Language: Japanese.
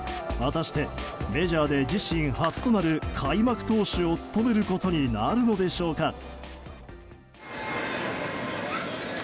果たしてメジャーで自身初となる開幕投手を務めることになるのでしょうか。